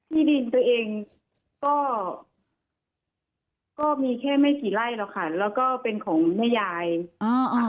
ที่ดินตัวเองก็ก็มีแค่ไม่กี่ไร่หรอกค่ะแล้วก็เป็นของแม่ยายอ่า